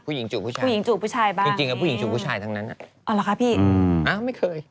ผู้หญิงจูบผู้ชายบ้างผู้หญิงจูบผู้ชายบ้าง